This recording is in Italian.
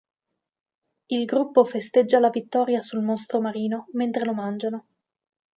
Il gruppo festeggia la vittoria sul mostro marino mentre lo mangiano.